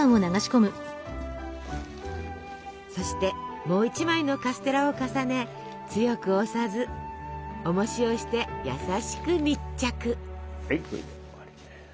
そしてもう１枚のカステラを重ね強く押さずおもしをして優しく密着。